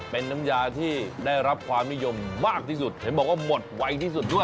เป็นน้ำยาที่ได้รับความนิยมมากที่สุดเห็นบอกว่าหมดไวที่สุดด้วย